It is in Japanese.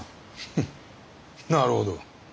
フッなるほど。